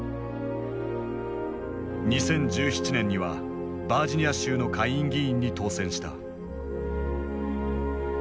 ２０１７年にはバージニア州の下院議員に当選した。